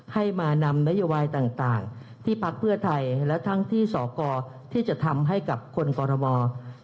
ให้มานำนโยบายต่างที่พักเพื่อไทยและทั้งที่สกที่จะทำให้กับคนกรทม